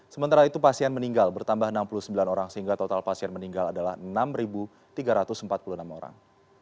sementara itu pasien meninggal bertambah enam puluh sembilan orang sehingga total pasien meninggal adalah enam tiga ratus empat puluh enam orang